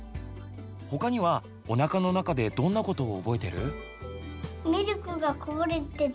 他にはおなかの中でどんなことを覚えてる？